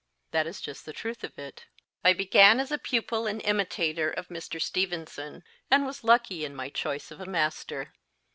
That is just the truth of it. I began as a pupil and imitator of Mr. Stevenson, and was lucky in my choice of a master.